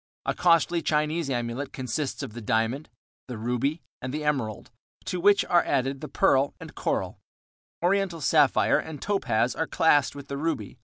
A costly Chinese amulet consists of the diamond, the ruby, and the emerald, to which are added the pearl and coral; Oriental sapphire and topaz are classed with the ruby.